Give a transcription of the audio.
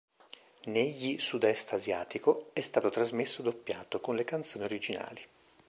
Negli Sud-est Asiatico è stato trasmesso doppiato, con le canzoni originali.